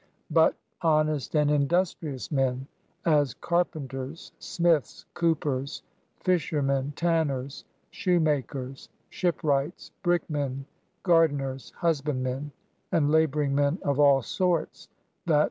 but honest and industrious men, as Car penters, Smitlis, Coopers, Fishermen, Tanners, Shoemakers, Shipwrights, Brickm^i, Gardeners, Husbandmen, and laboring men of all sorts that •